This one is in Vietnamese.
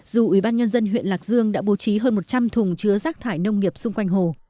dù ủy ban nhân dân huyện lạc dương đã bố trí hơn một trăm linh thùng chứa rác thải nông nghiệp xung quanh hồ